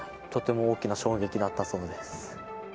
とても大きな衝撃だったそうです。